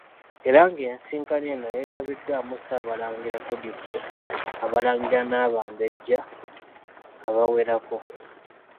Era ng' ensisinkano eno yeetabiddwamu Ssaabalangira Godfrey, Abalangira n'Abambejja abawerako.